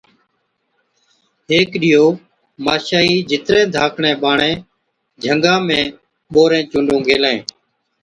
هيڪ ڏِيئو ماشائِي جِترين ڌاڪڙين ٻاڙين، جھنگا ۾ ٻورين چُونڊُون گيلين۔